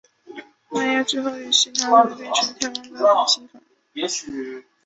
迈亚最后与其他普勒阿得斯一起变成了天空中的昴星团。